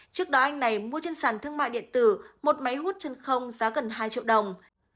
trước đó anh này mua trên sàn thương mại điện tử một máy hút chân không giá gần hai triệu đồng